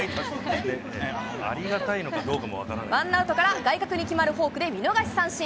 ワンアウトから外角に決まるフォークで見逃し三振。